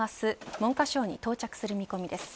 文科省に到着する見込みです。